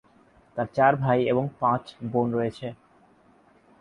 তার চার ভাই এবং পাঁচ বোন রয়েছে।